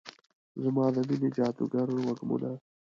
زما د میینې جادوګر وږمونه